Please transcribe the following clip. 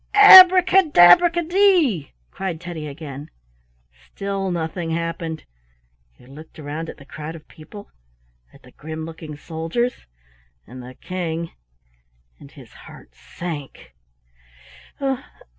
"Abraca dabraca dee!" cried Teddy again. Still nothing happened; he looked around at the crowd of people, at the grim looking soldiers, and the King, and his heart sank.